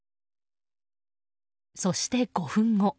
そして、５分後。